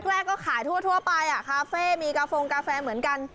แรกก็ขายทั่วไปคาเฟ่มีกาโฟงกาแฟเหมือนกัน